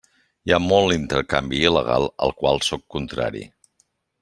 Hi ha molt intercanvi il·legal, al qual sóc contrari.